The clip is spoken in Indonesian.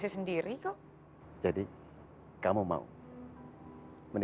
siapa lagi yang kamu hubungi